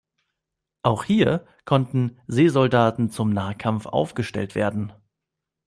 Auch hier konnten Seesoldaten zum Nahkampf aufgestellt werden.